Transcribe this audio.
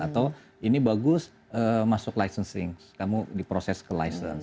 atau ini bagus masuk licensing kamu diproses ke licensing